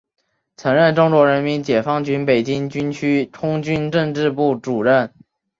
曾任中国人民解放军北京军区空军政治部主任。